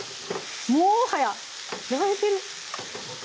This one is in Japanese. もはややれてる？